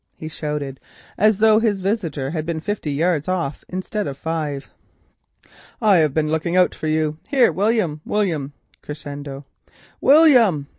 he shouted, as though his visitor had been fifty yards off instead of five. "I have been looking out for you. Here, William! William!" (crescendo), "William!"